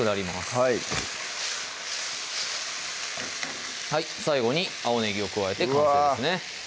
はい最後に青ねぎを加えて完成ですね